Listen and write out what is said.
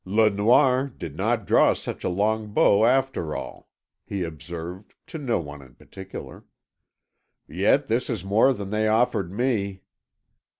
"Le Noir did not draw such a long bow, after all," he observed, to no one in particular. "Yet this is more than they offered me.